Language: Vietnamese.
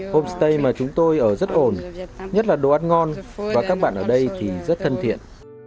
homestay mà chúng tôi ở rất ổn nhất là đồ ăn ngon và các bạn ở đây thì rất thân thiện